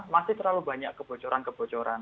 masih terlalu banyak kebocoran kebocoran